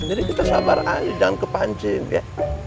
jadi kita sabar aja jangan kepancin ya